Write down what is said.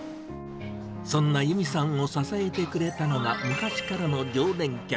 そんな由美さんを支えてくれたのが、昔からの常連客。